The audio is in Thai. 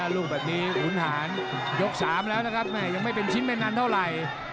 ลูกแบบนี้ขุนหารยก๓แล้วนะครับแม่ยังไม่เป็นชิ้นไม่นานเท่าไหร่